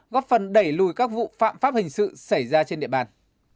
góp phần đẩy lùi các vụ phạm pháp hình sự xảy ra trên địa bàn